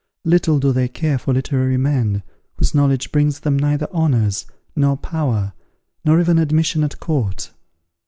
Little do they care for literary men, whose knowledge brings them neither honours, nor power, nor even admission at court.